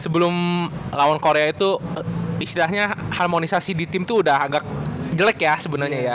sebelum lawan korea itu istilahnya harmonisasi di tim itu udah agak jelek ya sebenarnya ya